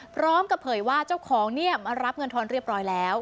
พร้อมกับเผยว่าเจ้าของเนี่ยมารับเงินทอนเรียบร้อยแล้ว